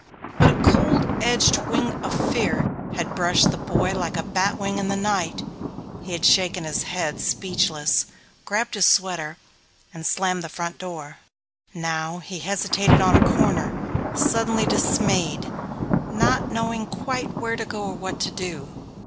But a cold edged wing of fear had brushed the boy like a bat wing in the night. He had shaken his head, speechless, grabbed his sweater, and slammed the front door. Now he hesitated on a corner, suddenly dismayed, not knowing quite where to go or what to do.